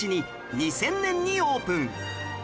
２０００年にオープン